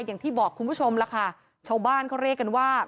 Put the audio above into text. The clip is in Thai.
อย่างที่บอกคุณผู้ชมล่ะค่ะชาวบ้านเขาเรียกกันว่า